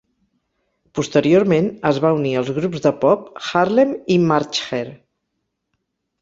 Posteriorment es va unir als grups de pop Harlem i March Hare.